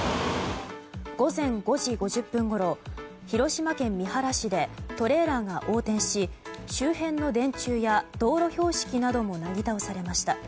午前５時５０分ごろ広島県三原市でトレーラーが横転し周辺の電柱や道路標識などもなぎ倒されました。